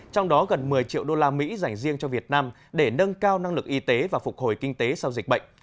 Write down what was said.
trong đó gần một mươi triệu đô la mỹ dành riêng cho việt nam để nâng cao năng lực y tế và phục hồi kinh tế sau dịch bệnh